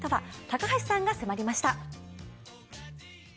高橋さんが迫りました。